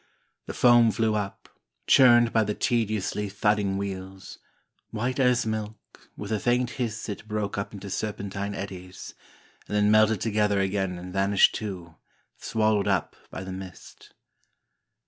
The foam flew up, churned by the tediously thudding wheels ; white as milk, with a faint hiss it broke up into serpentine eddies, and then melted together again and vanished too, swallowed up by the mist.